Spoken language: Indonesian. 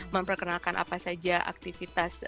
memperkenalkan apa saja aktivitas